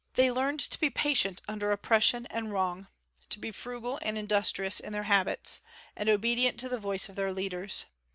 They learned to be patient under oppression and wrong, to be frugal and industrious in their habits, and obedient to the voice of their leaders.